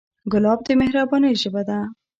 ګلاب د مهربانۍ ژبه ده.